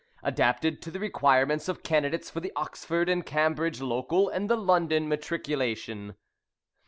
Adapted to the requirements of candidates for the Oxford and Cambridge Local and the London Matriculation.